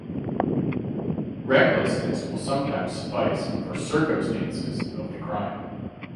Recklessness will sometimes suffice for 'circumstances' of the crime.